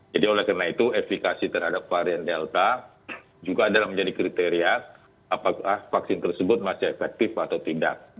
jadi oleh karena itu efikasi terhadap varian delta juga adalah menjadi kriteria apakah vaksin tersebut masih efektif atau tidak